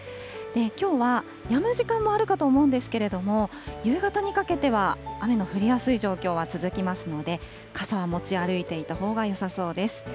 きょうはやむ時間もあるかとは思うんですけど、夕方にかけては雨の降りやすい状況は続きますので、傘は持ち歩いていたほうがよさそうです。